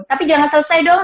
tapi jangan selesai dong